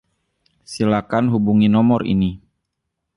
Silakan hubungi nomor ini.